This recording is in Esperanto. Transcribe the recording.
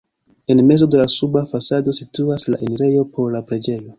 En mezo de la suba fasado situas la enirejo por la preĝejo.